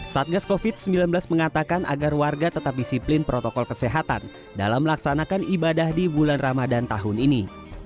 satgas covid sembilan belas mengatakan agar warga tetap disiplin protokol kesehatan dalam melaksanakan ibadah di bulan ramadan tahun ini